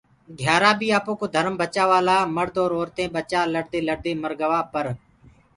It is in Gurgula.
گھيآرآ بيٚ آپوڪو ڌرم بچآوآ لآ مڙد اورتينٚ ٻچآ لڙدي لڙدي مرگوآ پر